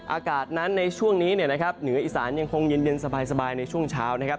อากาศนั้นในช่วงนี้เนื้ออิสานยังคงเย็นสบายในช่วงเช้านะครับ